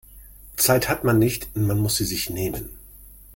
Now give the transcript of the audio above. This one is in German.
Zeit hat man nicht, man muss sie sich nehmen.